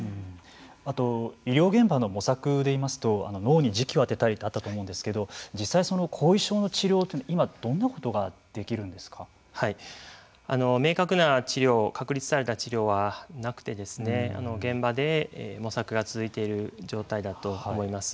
あと医療現場の模索でいいますと脳に磁気を当てたりとあったと思うんですけれども実際、後遺症の治療というのは今、どんなことができるんですか。明確な治療確立された治療はなくて現場で模索が続いている状態だと思います。